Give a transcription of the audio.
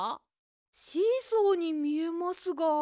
シーソーにみえますが。